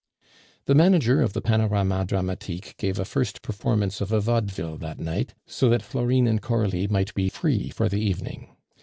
The manager of the Panorama Dramatique gave a first performance of a vaudeville that night, so that Florine and Coralie might be free for the evening.